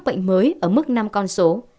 bệnh mới ở mức năm con số